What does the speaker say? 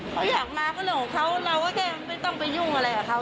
เขาอยากมาก็เรื่องของเขาเราก็แค่ไม่ต้องไปยุ่งอะไรกับเขา